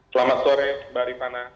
selamat sore mbak rimana